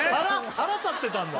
腹立ってたんだ